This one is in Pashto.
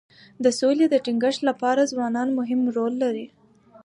د سولي د ټینګښت لپاره ځوانان مهم رول لري.